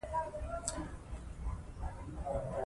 ډېری خلک سوله او ارام ژوند غواړي